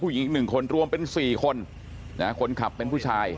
ผู้หญิงหนึ่งคนรวมเป็นสี่คนนะฮะคนขับเป็นผู้ชาย